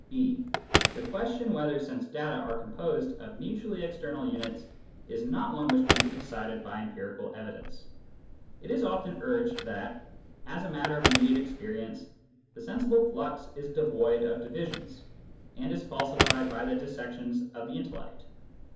(^) The question whether sense data are composed of mutually external units is not one which can be decided by empirical evidence. It is often urged that, as a Digitized by Google 144 SCIENTIFIC METHOD IN PHILOSOPHY matter of immediate experience, the sensible flux is devoid of divisions, and is falsified by the dissections of the intellect.